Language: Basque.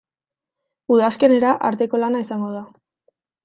Udazkenera arteko lana izango da.